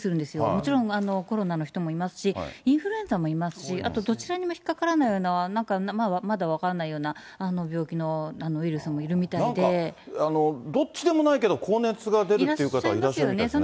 もちろんコロナの人もいますし、インフルエンザもいますし、あと、どちらにも引っ掛からないような、なんかまだ分からないような病気どっちでもないけど、高熱が出るっていう方いらっしゃいますよね。